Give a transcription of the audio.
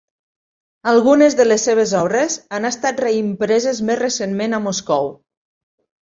Algunes de les seves obres han estat reimpreses més recentment a Moscou.